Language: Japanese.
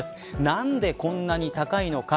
何でこんなに高いのか。